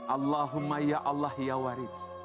allahumma ya allah ya waris